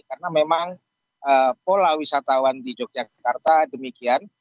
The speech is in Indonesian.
karena memang pola wisatawan di yogyakarta demikian